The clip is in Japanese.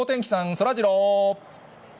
そらジロー。